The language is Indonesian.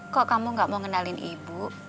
kok kamu gak mau kenalin ibu